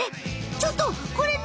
ちょっとこれ何？